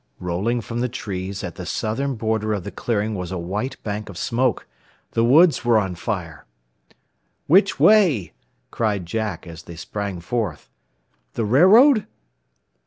Rolling from the trees at the southern border of the clearing was a white bank of smoke. The woods were on fire! "Which way?" cried Jack, as they sprang forth. "The railroad?"